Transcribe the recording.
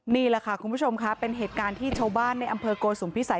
นี่แหละค่ะคุณผู้ชมค่ะเป็นเหตุการณ์ที่ชาวบ้านในอำเภอโกสุมพิสัย